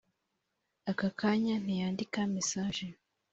ako kanya ntiyandika mesage